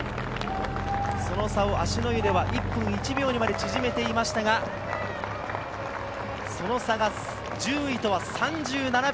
その差は芦之湯では１分１秒までに縮めていましたが、その差が１０位とは３７秒。